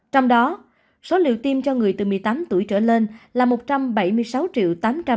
trong đó số liều tiêm cho người từ một mươi tám tuổi trở lên là một trăm bảy mươi sáu tám trăm sáu mươi năm bốn trăm bảy mươi tám liều